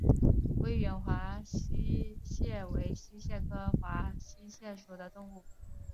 威远华溪蟹为溪蟹科华溪蟹属的动物。